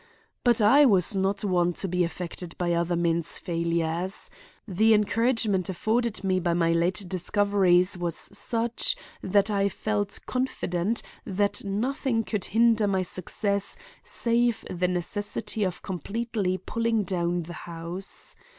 But I was not one to be affected by other men's failures. The encouragement afforded me by my late discoveries was such that I felt confident that nothing could hinder my success save the necessity of completely pulling down the house.